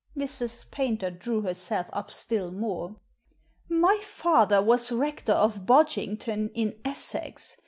Mrs. Pajmter drew herself up still more. " My father was rector of Bodgington, in Essex.